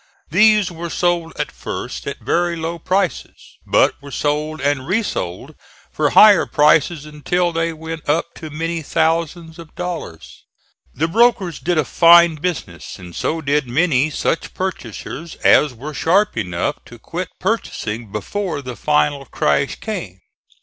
These were sold at first at very low prices, but were sold and resold for higher prices until they went up to many thousands of dollars. The brokers did a fine business, and so did many such purchasers as were sharp enough to quit purchasing before the final crash came.